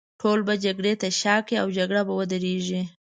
ټول به جګړې ته شا کړي، او جګړه به ودرېږي.